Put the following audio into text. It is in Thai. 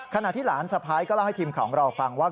ขณะที่หลานสะพ้ายก็เล่าให้ทีมข่าวของเราฟังว่า